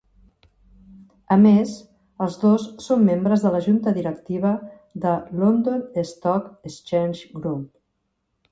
A més, els dos són membres de la Junta directiva de London Stock Exchange Group.